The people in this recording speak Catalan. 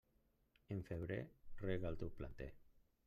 En febrer rega el teu planter.